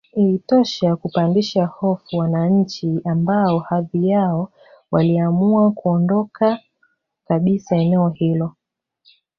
Ilitosha kupandisha hofu wananchi ambao baadhi yao waliamua kuondoka kabisa eneo hilo